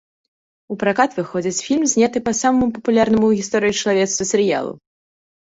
У пракат выходзіць фільм, зняты па самаму папулярнаму ў гісторыі чалавецтва серыялу.